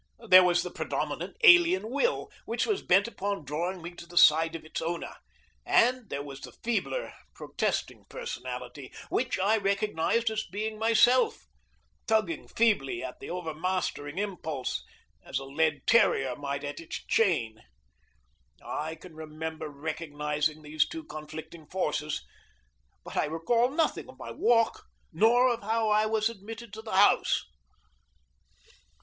There was the predominant alien will, which was bent upon drawing me to the side of its owner, and there was the feebler protesting personality, which I recognized as being myself, tugging feebly at the overmastering impulse as a led terrier might at its chain. I can remember recognizing these two conflicting forces, but I recall nothing of my walk, nor of how I was admitted to the house.